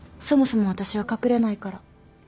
そもそも私は隠れないから。